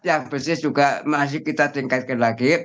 yang bisnis juga masih kita tingkatkan lagi